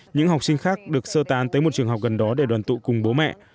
những học sinh khác được sơ tán tới một trường học gần đó để đoàn tụ cùng bố mẹ